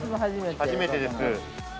◆初めてです。